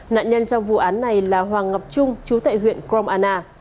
nạn nhân trong vụ án này là hoàng ngọc trung chú tại huyện krong anna